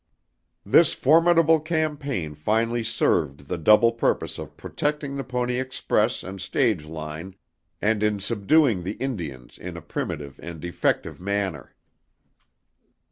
This formidable campaign finally served the double purpose of protecting the Pony Express and stage line and in subduing the Indians in a primitive and effective manner.